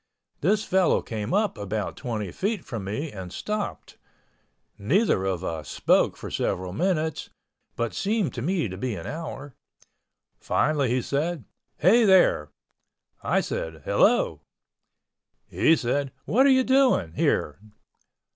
This fellow came up about twenty feet from me and stopped—neither of us spoke for several minutes (but seemed to me to be an hour)—finally he said, "Hey, there." I said, "Hello." He said, "What are you doing here?"